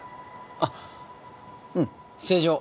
あっうん正常。